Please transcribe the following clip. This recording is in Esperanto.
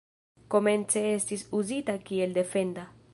Komence estis uzita kiel defenda.